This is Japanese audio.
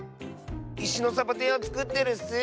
いしのサボテンをつくってるッス！